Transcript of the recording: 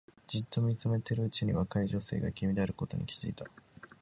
じっと見ているうちに若い女性が君であることに気がついた